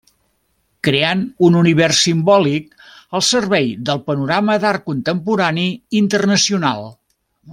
Creant un univers simbòlic al servei del panorama d'art contemporani internacional.